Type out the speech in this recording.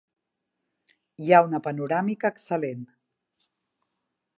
Hi ha una panoràmica excel·lent.